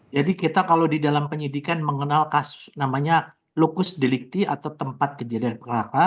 jadi kita kalau di dalam penyidikan mengenal kasus namanya lukus delikti atau tempat kejadian keraka